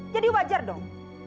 jadi wajar dong